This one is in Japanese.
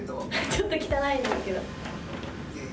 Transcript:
ちょっときたないんですけど。